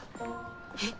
えっ？